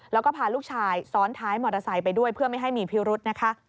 แล้วก็พาลูกชายซ้อนท้ายมอเตอร์ไซค์ไปด้วยเพื่อไม่ให้มีพิรุธนะคะ